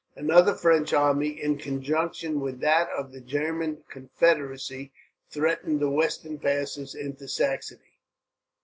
Another French army, in conjunction with that of the German Confederacy, threatened the western passes into Saxony.